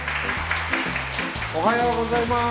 おはようございます。